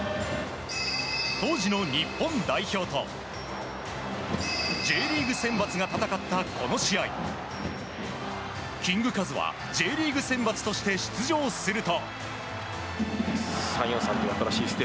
当時の日本代表とＪリーグ選抜が戦ったこの試合キングカズはＪリーグ選抜として出場すると。